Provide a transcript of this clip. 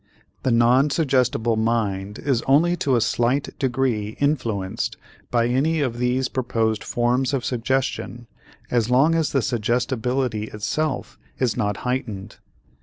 The non suggestible mind is only to a slight degree influenced by any of these proposed forms of suggestion as long as the suggestibility itself is not heightened.